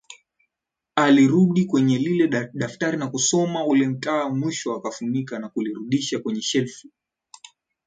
Alirudi kwenye lile daftari na kusoma ule mtaa mwisho akafunika na kulirudisha kwenye shelfu